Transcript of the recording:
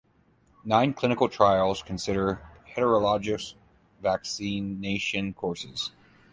Nine clinical trials consider heterologous vaccination courses.